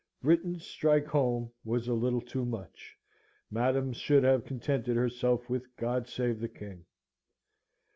"Britons, strike home!" was a little too much; Madam should have contented herself with "God save the King."